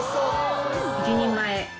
１人前。